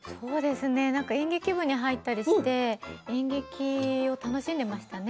演劇部に入ったりして演劇を楽しんでいましたね。